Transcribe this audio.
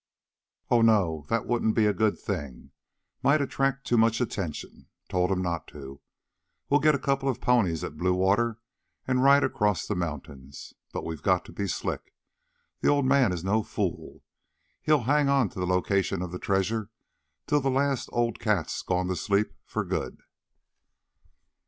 "Oh, no. That wouldn't be a good thing. Might attract too much attention. Told him not to. We'll get a couple of ponies at Bluewater and ride across the mountains. But we've got to be slick. The old man is no fool. He'll hang on to the location of the treasure till the last old cat's gone to sleep for good."